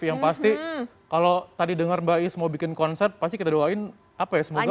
yang pasti kalau tadi dengar mbak is mau bikin konser pasti kita doain apa ya semoga